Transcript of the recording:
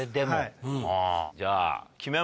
じゃあ。